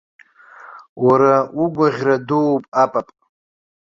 Уара угәаӷьра дууп, апап!